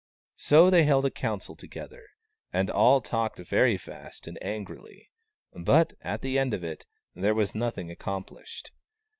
So they held a council together, and all talked very fast and angrily : but at the end of it, there was nothing accomplished.